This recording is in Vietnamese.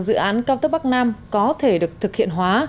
dự án cao tốc bắc nam có thể được thực hiện hóa